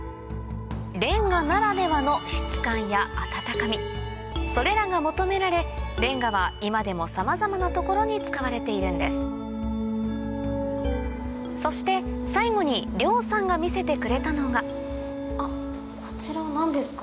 れんがならではのそれらが求められれんがは今でもさまざまな所に使われているんですそして最後に梁さんが見せてくれたのがあっこちらは何ですか？